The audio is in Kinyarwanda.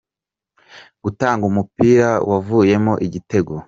gutanga umupira wavuyemo igitego.